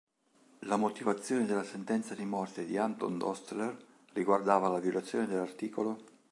La motivazione della sentenza di morte di Anton Dostler riguardava la violazione dell'art.